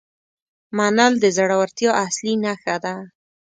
منل د زړورتیا اصلي نښه ده.